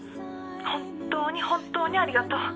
本当に本当にありがとう。